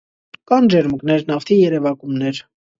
Կան ջերմուկներ, նավթի երևակումներ։